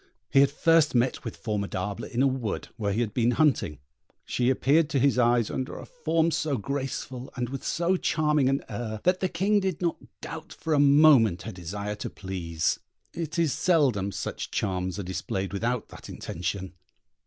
He had first met with Formidable in a wood where he had been hunting; she appeared to his eyes under a form so graceful, and with so charming an air, that the King did not doubt for a moment her desire to please: it is seldom such charms are displayed without that intention.